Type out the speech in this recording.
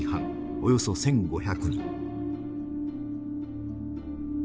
およそ１，５００人。